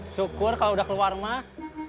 syukur kalau udah keluar mah